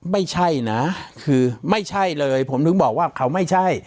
ไม่ใช่นะคือไม่ใช่เลยผมถึงบอกว่าเขาไม่ใช่